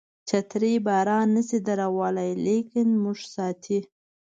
چترۍ باران نشي ودرولای لیکن موږ ساتي.